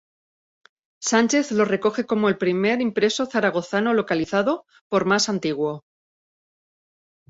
Sánchez lo recoge como el primer impreso zaragozano localizado, por más antiguo.